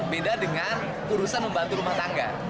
beda dengan urusan membantu rumah tangga